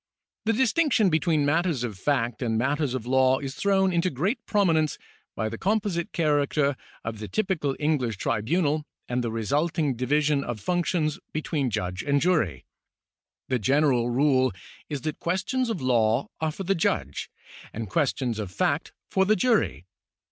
The distinction between matters of fact and matters of law is thrown into great prominence by the composite character of the typical English tribunal and the resulting division of functions between judge and jury. The general rule is that questions of law are for the judge and questions of fact for the jury.